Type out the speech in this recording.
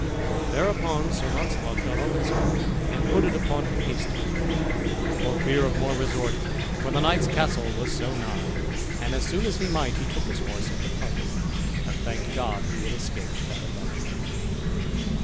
Thereupon Sir Launcelot got all his armor, and put it upon him hastily, for fear of more resort, for the knight's castle was so nigh. And as soon as he might, he took his horse and departed, and thanked God he had escaped that adventure.